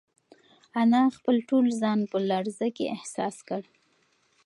انا خپل ټول ځان په لړزه کې احساس کړ.